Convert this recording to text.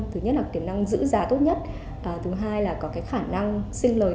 thứ nhất là tiềm năng giữ giá tốt nhất thứ hai là có cái khả năng xin lời